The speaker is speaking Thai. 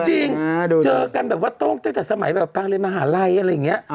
จริงเจอกันตั้งแต่ว่าต้องจากสมัยแบบพังเรียนมหาลัยอะไรอย่างนี้